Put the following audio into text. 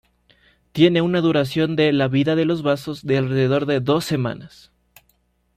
Tiene una duración de la vida de los vasos de alrededor de dos semanas.